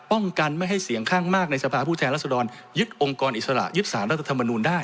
ป้องกันไม่ให้เสียงข้างมากในสฝรศยึดองค์กรอิสระยึดศาลรัฐธรรมนูญได้